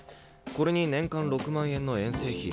これに年間６万円の遠征費。